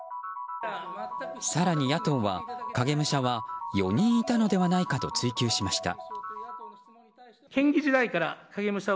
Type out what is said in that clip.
更に野党は影武者は４人いたのではないかと追及しました。